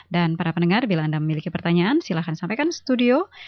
dan para pendengar bila anda memiliki pertanyaan silahkan sampaikan studio